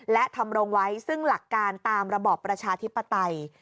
และทำรงไว้ซึ่งหลักการตามระบอบประชาธิปไตย